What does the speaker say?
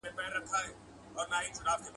هر سړی یې رانیولو ته تیار وي !.